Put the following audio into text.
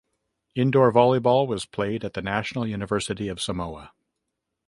Indoor volleyball was played at the National University of Samoa.